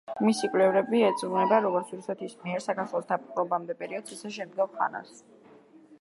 მისი კვლევები ეძღვნება როგორც რუსეთის მიერ საქართველოს დაპყრობამდე პერიოდს, ისე შემდგომ ხანას.